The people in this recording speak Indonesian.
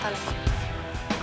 kamu gak ikut makan